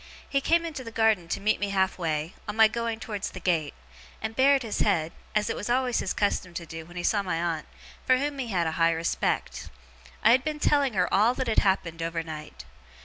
He came into the garden to meet me half way, on my going towards the gate; and bared his head, as it was always his custom to do when he saw my aunt, for whom he had a high respect. I had been telling her all that had happened overnight.